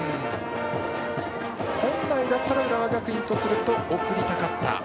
本来だったら浦和学院とすると送りたかった。